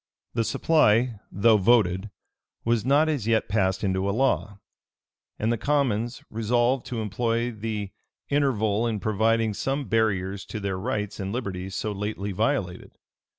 The supply, though voted, was not as yet passed into a law; and the commons resolved to employ the interval in providing some barriers to their rights and liberties so lately violated.